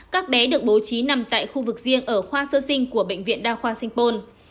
các bé được bố trí nằm tại khu vực riêng ở khoa sơ sinh của bệnh viện đa khoa sinh pôn